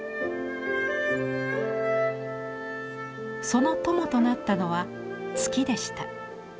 その友となったのは月でした。